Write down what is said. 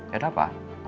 ya ada apa